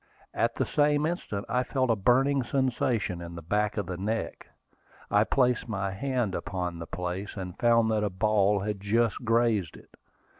At the same instant I felt a burning sensation in the back of the neck. I placed my hand upon the place, and found that a ball had just grazed it.